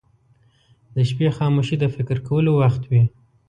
• د شپې خاموشي د فکر کولو وخت وي.